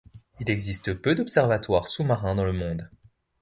Il existe peu d'observatoires sous-marins dans le monde.